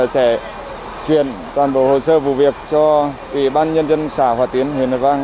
sẽ truyền toàn bộ hồ sơ vụ việc cho ủy ban nhân dân xã hòa tiến huyền hợp văn